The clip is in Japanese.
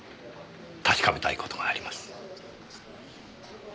確かめたい事があります。